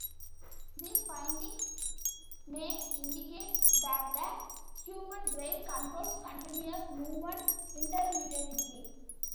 These findings may indicate that the human brain controls continuous movements intermittently.